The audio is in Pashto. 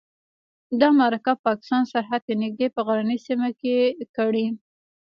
دا مرکه پاکستان سرحد ته نږدې په غرنۍ سیمه کې کړې.